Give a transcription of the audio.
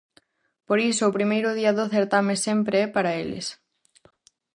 Por iso, o primeiro día do certame sempre é para eles.